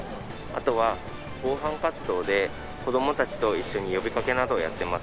あとは防犯活動で子供たちと一緒に呼びかけなどをやってますね。